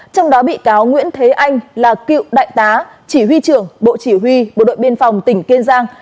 trong đó bị cáo nguyễn thế anh là cựu đại tá chỉ huy trưởng bộ chỉ huy bộ đội biên phòng tỉnh kiên giang